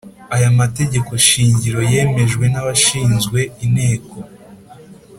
Aya mategeko shingiro yemejwe n abashinzwe inteko